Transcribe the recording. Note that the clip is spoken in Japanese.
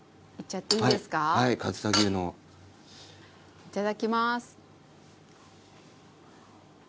いただきます。